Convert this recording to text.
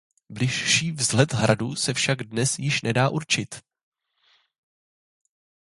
Bližší vzhled hradu se však dnes již nedá určit.